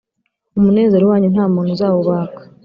umunezero wanyu nta muntu uzawubaka